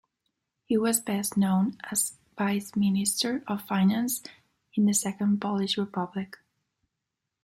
He was best known as Vice-Minister of Finance in the Second Polish Republic.